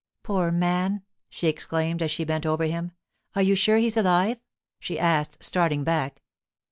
'Poor man!' she exclaimed as she bent over him. 'Are you sure he's alive?' she asked, starting back.